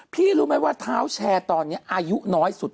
รู้ไหมว่าเท้าแชร์ตอนนี้อายุน้อยสุด